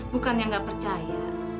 bukannya gak percaya